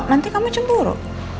nanti kamu cemburu